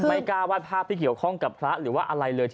กล้าวาดภาพที่เกี่ยวข้องกับพระหรือว่าอะไรเลย